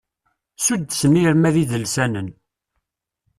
Suddsen irmad idelsanen.